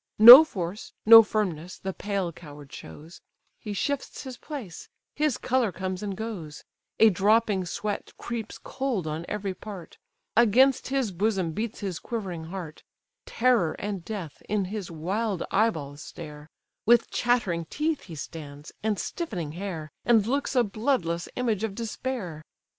No force, no firmness, the pale coward shows; He shifts his place: his colour comes and goes: A dropping sweat creeps cold on every part; Against his bosom beats his quivering heart; Terror and death in his wild eye balls stare; With chattering teeth he stands, and stiffening hair, And looks a bloodless image of despair!